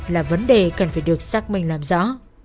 là vấn đề cần phải được xác minh làm rõ